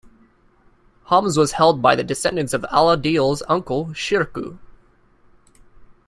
Homs was held by the descendant's of Al-Adil's uncle Shirkuh.